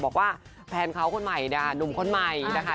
บอกว่าแฟนเขาคนใหม่เนี่ยหนุ่มคนใหม่นะคะ